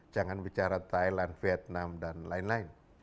jangan bicara thailand vietnam dan lain lain